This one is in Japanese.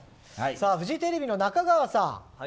フジテレビの中川さん。